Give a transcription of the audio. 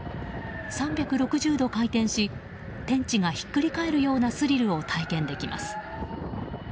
３６０度回転し天地が引っくり返るようなスリルを体験できます。